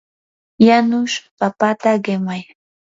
yanush papata qimay.